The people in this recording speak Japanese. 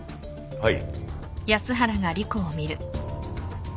はい。